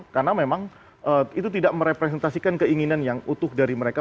karena memang itu tidak merepresentasikan keinginan yang utuh dari mereka